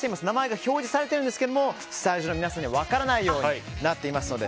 名前が表示されていますがスタジオの皆さんには分からないようになっています。